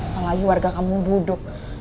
apalagi warga kampung buduk